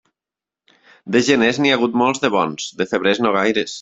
De geners n'hi ha hagut molts de bons; de febrers, no gaires.